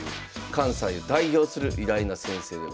関西を代表する偉大な先生でございます。